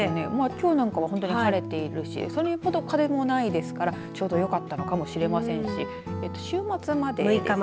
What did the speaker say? きょうなんか晴れているしそれほど風もないですからちょうどよかったかもしれませんし週末まで。